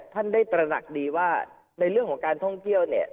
ท่านได้ตระหนักดีว่าในเรื่องของการท่องเที่ยวเนี่ย